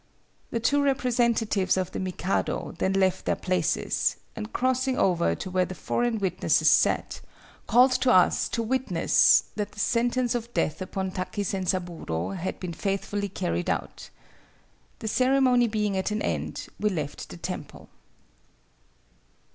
"The two representatives of the Mikado then left their places, and crossing over to where the foreign witnesses sat, called to us to witness that the sentence of death upon Taki Zenzaburo had been faithfully carried out. The ceremony being at an end, we left the temple."